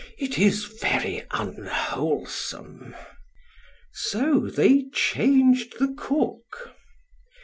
It is very unwholesome." So they changed the cook.